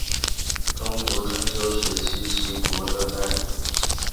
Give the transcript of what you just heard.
中国春秋时期齐国的大夫。